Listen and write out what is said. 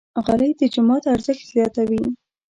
غالۍ د جومات ارزښت زیاتوي.